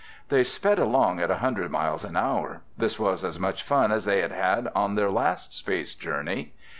They sped along at a hundred miles an hour. This was as much fun as they had had on their last space journey.